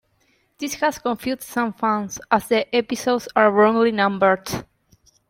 This has confused some fans, as the episodes are wrongly numbered.